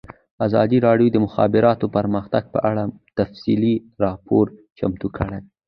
ازادي راډیو د د مخابراتو پرمختګ په اړه تفصیلي راپور چمتو کړی.